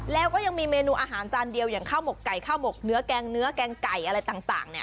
แล้วก็ยังมีเมนูอาหารจานเดียวอย่างข้าวหมกไก่ข้าวหมกเนื้อแกงเนื้อแกงไก่อะไรต่างเนี่ย